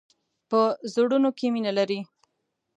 په زړونو کې مینه لری.